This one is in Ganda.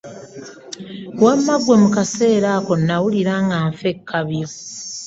Wamma ggwe mu kaseera ako nawulira nga nfa ekkabyo!